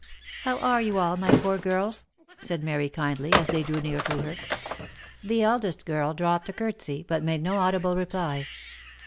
" How are you all, my poor girls?" said Mary kindly, as they drew near to her. The eldest girl dropped a courtesy but made no audible reply.